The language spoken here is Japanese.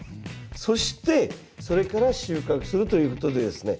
そしてそれから収穫するということでですね